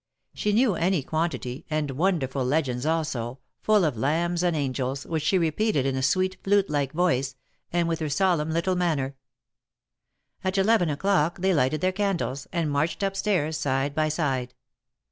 She knew any quantity, and wonderful legends also — full of lambs and angels — which she repeated in a sweet, flute like voice, and with her solemn little manner. At eleven o'clock they lighted their candles, and marched up stairs side by side.